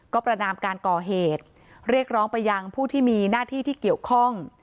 ก็ประนามการก่อเหตุเรียกร้องไปยังผู้ที่มีหน้าที่ที่เกี่ยวข้อง